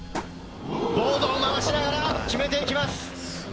ボードを回しながら決めていきます。